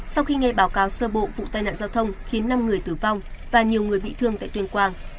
sau khi nghe báo cáo sơ bộ vụ tai nạn giao thông khiến năm người tử vong và nhiều người bị thương tại tuyên quang